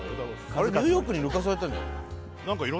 ニューヨークに抜かされたんじゃない？